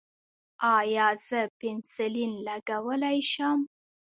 ایا زه پنسلین لګولی شم؟